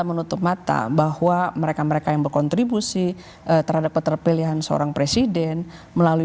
menutup mata bahwa mereka mereka yang berkontribusi terhadap keterpilihan seorang presiden melalui